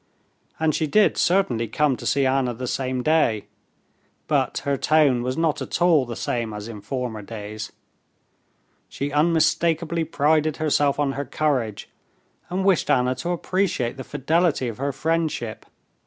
And she did certainly come to see Anna the same day, but her tone was not at all the same as in former days. She unmistakably prided herself on her courage, and wished Anna to appreciate the fidelity of her friendship.